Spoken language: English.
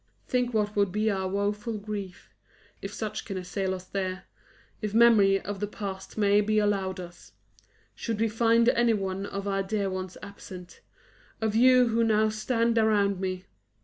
Think what would be our woeful grief if such can assail us there; if memory of the past may be allowed us should we find any one of our dear ones absent of you who now stand around me!